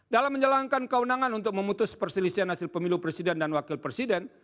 dalam menjalankan kewenangan untuk memutus perselisihan hasil pemilu presiden dan wakil presiden